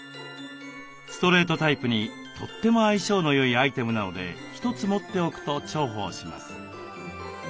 ストレートタイプにとっても相性のよいアイテムなので一つ持っておくと重宝します。